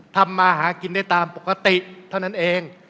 ทำมาหากินได้ตามปกติเท่านั้นเอง